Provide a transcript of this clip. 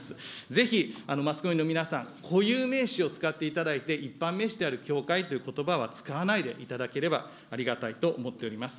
ぜひ、マスコミの皆さん、固有名詞を使っていただいて、一般名詞である教会ということばは、使わないでいただければありがたいと思っております。